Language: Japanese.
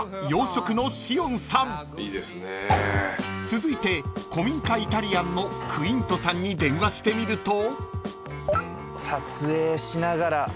［続いて古民家イタリアンのクイントさんに電話してみると］